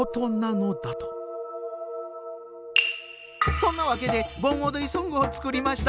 そんなわけで盆おどりソングを作りました。